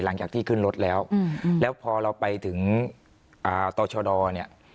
หลังจากที่ขึ้นรถแล้วแล้วพอเราไปถึงต่อชดเนี่ย